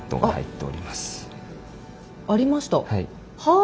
はい。